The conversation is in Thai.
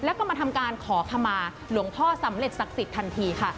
แล้วก็มาทำการขอขมาหลวงพ่อสำเร็จศักดิ์สิทธิ์ทันทีค่ะ